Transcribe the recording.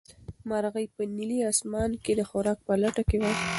مرغۍ په نیلي اسمان کې د خوراک په لټه کې وه.